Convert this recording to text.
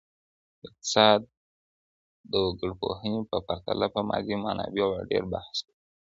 اقتصاد د وګړپوهنې په پرتله په مادي منابعو ډېر بحث کوي.